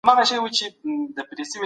قومي مشران د کار کولو مساوي حق نه لري.